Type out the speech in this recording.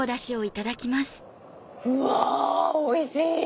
うわおいしい！